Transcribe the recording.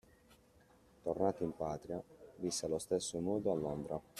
Tornato in patria, visse allo stesso modo a Londra.